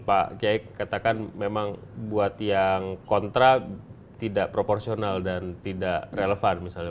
pak kiai katakan memang buat yang kontra tidak proporsional dan tidak relevan misalnya